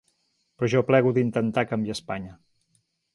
Però jo plego d’intentar canviar Espanya.